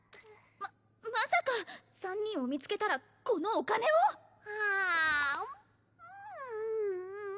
ままさか３人を見つけたらこのお金を⁉あむっ！